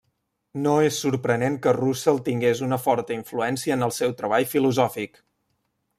No és sorprenent que Russell tingués una forta influència en el seu treball filosòfic.